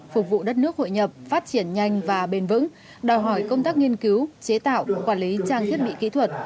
phục vụ đất nước hội nhập phát triển nhanh và bền vững đòi hỏi công tác nghiên cứu chế tạo quản lý trang thiết bị kỹ thuật